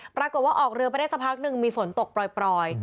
ปรากฏว่าออกเรือไปได้สักพักหนึ่งมีฝนตกปล่อย